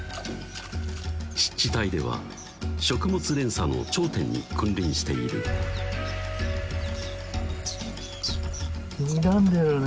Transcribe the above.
湿地帯では食物連鎖の頂点に君臨しているにらんでるね